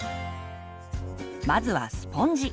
まずはスポンジ。